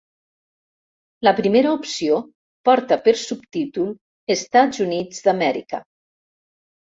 La primera opció porta per subtítol Estats Units d'Amèrica.